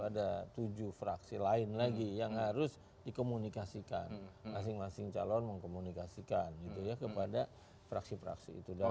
ada tujuh fraksi lain lagi yang harus dikomunikasikan masing masing calon mengkomunikasikan gitu ya kepada fraksi fraksi itu